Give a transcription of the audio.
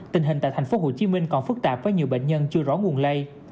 tình hình tại tp hcm còn phức tạp với nhiều bệnh nhân chưa rõ nguồn lây